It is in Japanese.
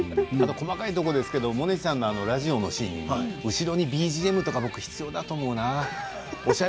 細かいところですけどモネちゃんのラジオのシーン後ろにＢＧＭが僕、必要だと思うな。